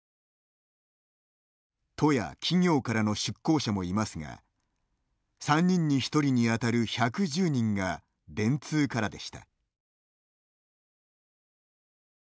都や企業からの出向者もいますが３人に１人に当たる１１０人が電通からでした。